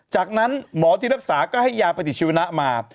จากนั้นหมอที่รักษาก็ให้ยาปฏิชีวนะมา